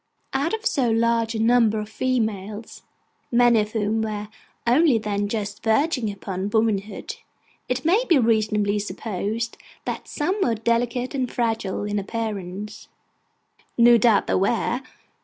Out of so large a number of females, many of whom were only then just verging upon womanhood, it may be reasonably supposed that some were delicate and fragile in appearance: no doubt there were.